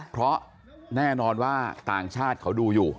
เพราะแน่นอนว่าต่างชาติเขาดูอยู่